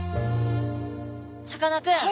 さかなクン